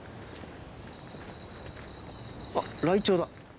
あっライチョウだ！